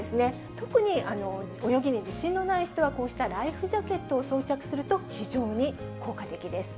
特に泳ぎに自信のない人はこうしたライフジャケットを装着すると、非常に効果的です。